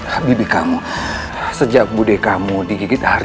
habis kamu sejak budaya kamu digigit hari